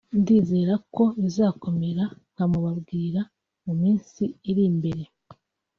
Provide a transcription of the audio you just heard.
ndizera ko bizakomera nkamubabwira mu minsi iri imbere